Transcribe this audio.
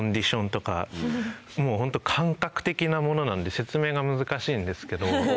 もうホント感覚的なものなんで説明が難しいんですけど。